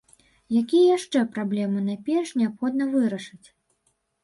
Якія яшчэ праблемы найперш неабходна вырашыць?